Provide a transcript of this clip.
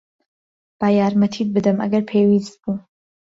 با یارمەتیت بدەم، ئەگەر پێویست بوو.